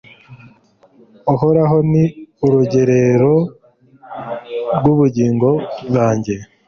Uhoraho ni urugerero rw’ubugingo bwanjye